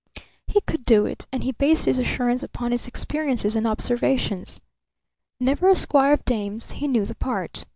He could do it; and he based his assurance upon his experiences and observations. Never a squire of dames, he knew the part.